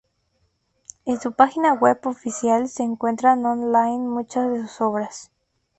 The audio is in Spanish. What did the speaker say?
En su página web oficial se encuentran online muchas de sus obras.